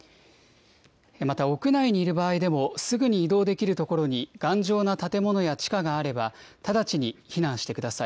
また、屋内にいる場合でも、すぐに移動できる所に頑丈な建物や地下があれば、直ちに避難してください。